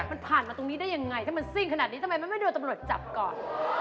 มันผ่านมาตรงนี้ได้ยังไงถ้ามันซิ่งขนาดนี้ทำไมมันไม่โดนตำรวจจับก่อน